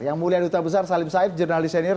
yang mulia duta besar salim said jurnalis senior